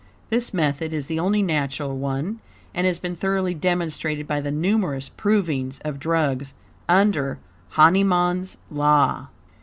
This method is the only natural one, and has been thoroughly demonstrated by the numerous "provings of drugs" under Hahnemann's law.